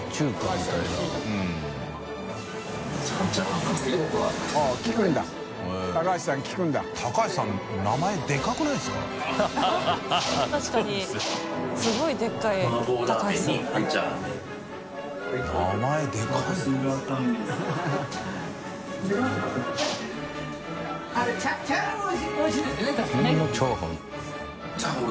みんなチャーハン。